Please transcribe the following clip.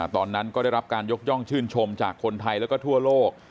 ตอนนั้นก็ได้รับการยกย่องชื่นชมจากคนไทยแล้วก็ทั่วโลก